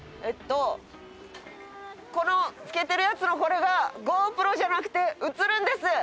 えっとこのつけてるやつのこれがＧｏＰｒｏじゃなくて写ルンです。